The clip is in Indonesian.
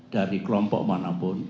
dari kelompok manapun